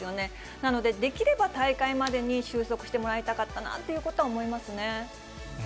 なので、できれば大会までに収束してもらいたかったなということを思いま